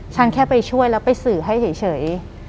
ฉันแค่ไปช่วยแล้วไปสื่อให้เฉย